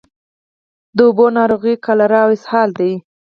د اوبو ناروغۍ کالرا او اسهال دي.